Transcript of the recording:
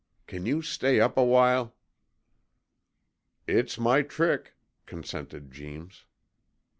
Can you stay up a while?' 'It's my trick,' consented Jeems.